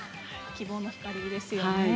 希望の光ですね。